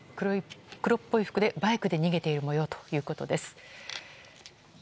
黒っぽい服でバイクで逃げている模様ということです。